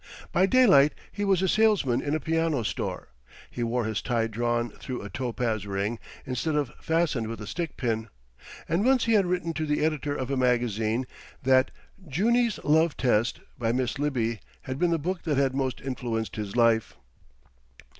By daylight he was a salesman in a piano store. He wore his tie drawn through a topaz ring instead of fastened with a stick pin; and once he had written to the editor of a magazine that "Junie's Love Test" by Miss Libbey, had been the book that had most influenced his life.